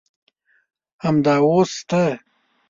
همدا اوس شته.